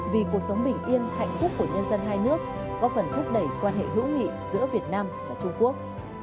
vì cuộc sống bình yên hạnh phúc của nhân dân hai nước góp phần thúc đẩy quan hệ hữu nghị giữa việt nam và trung quốc